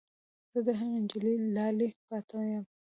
زه د هغې نجلۍ لالی پاتې یم